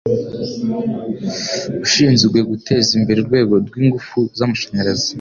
ushinzwe guteza imbere urwego rwingufu z'amashanyarazi